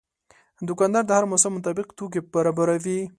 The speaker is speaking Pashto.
دوکاندار د هر موسم مطابق توکي برابروي.